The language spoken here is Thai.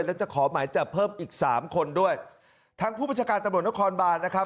แล้วจะขอหมายจับเพิ่มอีกสามคนด้วยทางผู้บัญชาการตำรวจนครบานนะครับ